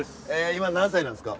今何歳なんですか？